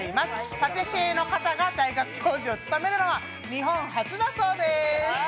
パティシエの方が大学教授を務めるのは日本初だそうです。